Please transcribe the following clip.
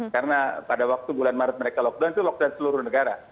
karena pada waktu bulan maret mereka lockdown itu lockdown seluruh negara